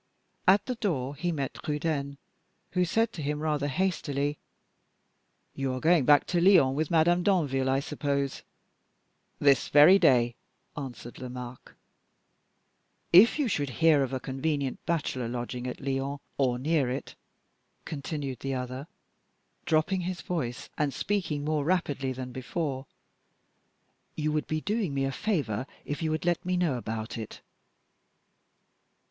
At the door he met Trudaine, who said to him, rather hastily, "You are going back to Lyons with Madame Danville, I suppose?" "This very day," answered Lomaque. "If you should hear of a convenient bachelor lodging, at Lyons, or near it," continued the other, dropping his voice and speaking more rapidly than before, "you would be doing me a favor if you would let me know about it."